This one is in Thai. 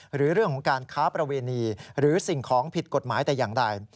หรือเรื่องข้าประเวนีหรือสิ่งของผิดกฎหมายแต่ยังใด